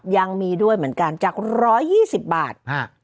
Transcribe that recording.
ยังมีด้วยเหมือนกันจาก๑๒๐บาท